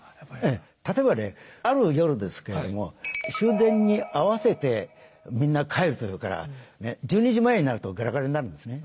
例えばねある夜ですけれども終電に合わせてみんな帰るというから１２時前になるとガラガラになるんですね。